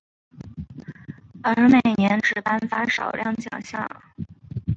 而每年只颁发少量奖项。